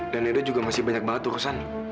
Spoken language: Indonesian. dan edo juga masih banyak banget urusan